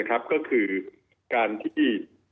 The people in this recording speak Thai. ก็คือการที่